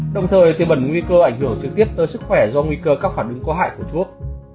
đồng thời tiêm bẩn nguy cơ ảnh hưởng trực tiếp tới sức khỏe do nguy cơ các phản ứng có hại của thuốc